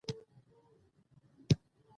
تاریخ د خپل ولس د عدالت لامل دی.